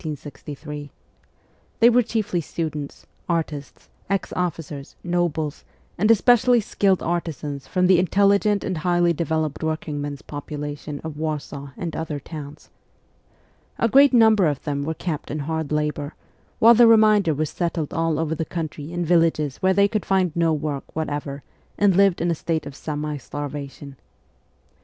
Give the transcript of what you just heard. They were chiefly students, artists, ex officers, nobles, and especially skilled artisans from the intelligent and highly developed working men's population of Warsaw and other towns. A great number of them were kept in hard labour, while the remainder were settled all over the country in villages where they could find no work whatever and lived in a state of semi starvation.